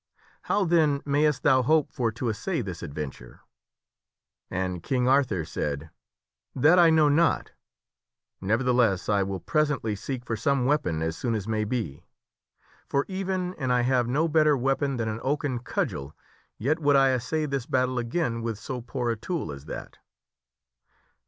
How then mayst thou hope for to assay this ad venture?" And King Arthur said, " That I know not, nevertheless I will presently seek for some weapon as soon as may be. For, even an I have no better 66 THE WINNING OF A SWORD weapon than an oaken cudgel, yet would I assay this battle again with so poor a tool, as that."